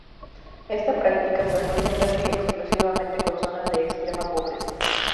Esta práctica se asocia casi exclusivamente con zonas de extrema pobreza.